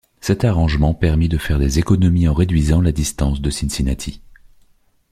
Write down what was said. Cet arrangement permit de faire des économies en réduisant la distance de Cincinnati.